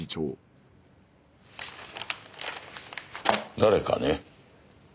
誰かね？